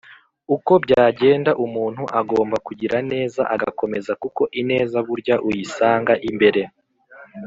Uko byagenda umuntu agomba kugira neza agakomeza kuko ineza burya uyisanga imbere